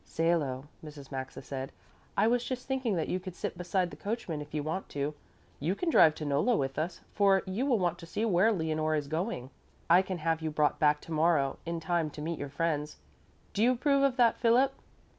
"Salo," Mrs. Maxa said, "I was just thinking that you could sit beside the coachman if you want to. You can drive to Nolla with us, for you will want to see where Leonore is going. I can have you brought back to morrow in time to meet your friends. Do you approve of that, Philip?"